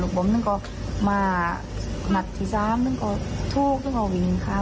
ลูกมึงคนตัดคนก็มาหนักที่๓มันก็โทษก็เข้าไหวห้า